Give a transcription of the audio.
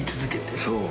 そう。